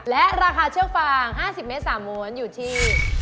และราคาเชือกฟาง๕๐เมตร๓ม้วนอยู่ที่